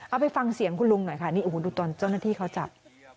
เอาไปฟังเสียงคุณลุงหน่อยค่ะนี่โอ้โหดูตอนเจ้าหน้าที่เขาจับ